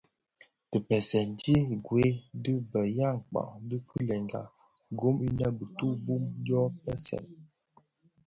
Dhipèseèn ti gwed i be ya mpkag di kilenga gom imë bituu bum dyoň npèsèn.